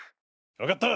わかった。